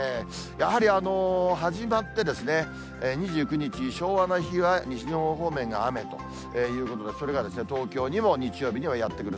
やはり始まって２９日昭和の日は西日本方面が雨ということで、東京にも日曜日にやって来る。